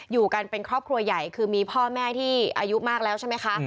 อยู่กันเป็นครอบครัวใหญ่คือมีพ่อแม่ที่อายุมากแล้วใช่ไหมคะ